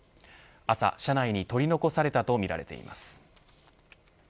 朝、車内に取り残されたとみられています。